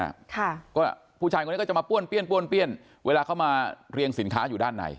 ค่ะก็ผู้ชายคนนี้ก็จะมาป้วนเปี้ยนป้วนเปี้ยนเวลาเขามาเรียงสินค้าอยู่ด้านใน